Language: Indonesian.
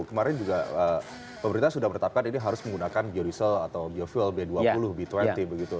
kemarin juga pemerintah sudah menetapkan ini harus menggunakan biodiesel atau biofuel b dua puluh b dua puluh begitu